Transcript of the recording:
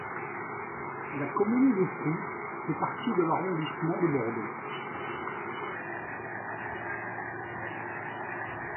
La commune du Pout fait partie de l'arrondissement de Bordeaux.